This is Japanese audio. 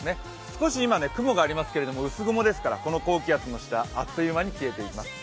少し雲がありますけれども、薄雲ですからこの高気圧の下、あっという間に消えていきます